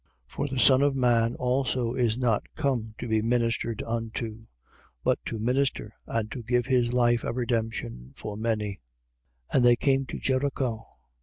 10:45. For the Son of man also is not come to be ministered unto: but to minister and to give his life a redemption for many. 10:46. And they came to Jericho.